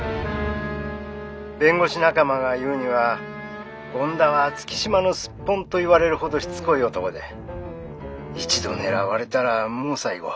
☎弁護士仲間が言うには権田は月島のスッポンと言われるほどしつこい男で一度狙われたらもう最後。